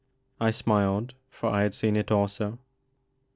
I smiled, for I had seen it also.